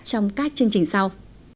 trong các chương trình sau